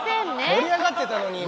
盛り上がってたのに今。